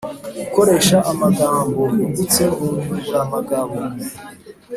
Gukoresha amagambo yungutse mu Inyunguramagabo